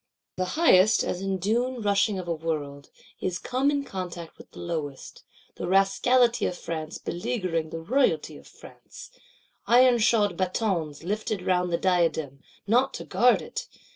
The highest, as in down rushing of a World, is come in contact with the lowest: the Rascality of France beleaguering the Royalty of France; "ironshod batons" lifted round the diadem, not to guard it!